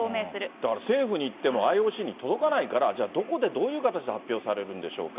だから政府に言ってもＩＯＣに届かないから、じゃあどこで、どういう形で発表されるんでしょうか。